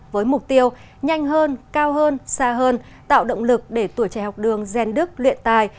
với mục tiêu nhanh hơn cao hơn xa hơn tạo động lực để tuổi trẻ học đường ghen đức luyện tài